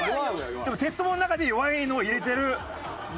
でもテツトモの中で弱いのを入れてる。